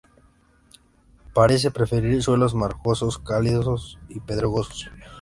Parece preferir suelos margoso-calizos y pedregosos.